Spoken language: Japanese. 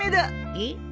えっ？